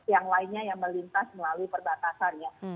yang lainnya yang melintas melalui perbatasannya